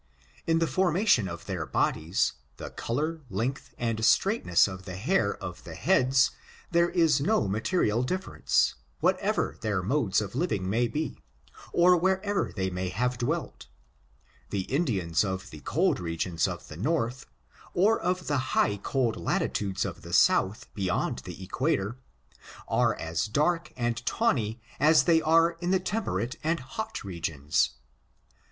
In the fonnation of their bodies, the color, length, and straightness of the hair of their heads, there is no material difference, whatever their modes of liv* ing may be, or wherever they may have dwelt The Indians of the cold regions of the north, or of the high cold latitudes of the south beyond the equator, are as dark and tawny as they are in the temperate and hot climates.